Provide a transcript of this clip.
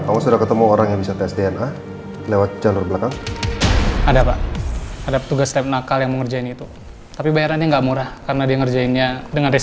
saya sudah menganggap spirits